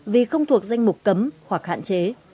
vì không thuộc danh mục cấm hoặc hạn chế